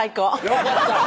よかった！